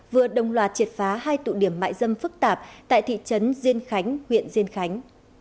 vừa đồng loạt triệt phá hai tụ điểm mại dâm phức tạp tại thị trấn diên khánh huyện diên khánh